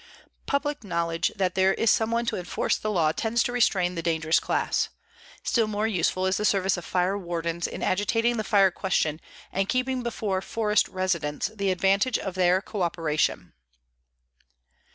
Public knowledge that there is someone to enforce the law tends to restrain the dangerous class. Still more useful is the service of fire wardens in agitating the fire question and keeping before forest residents the advantage of their coöperation.